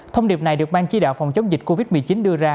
thông điệp này được ban chỉ đạo phòng chống dịch covid một mươi chín đưa ra